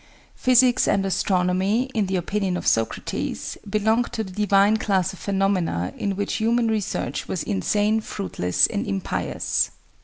Physics and astronomy, in the opinion of Socrates, belonged to the divine class of phenomena in which human research was insane, fruitless, and impious.